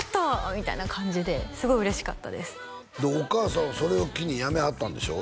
みたいな感じですごい嬉しかったですでお母さんはそれを機にやめはったんでしょ？